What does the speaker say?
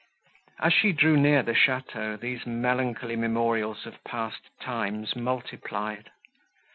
As she drew near the château, these melancholy memorials of past times multiplied.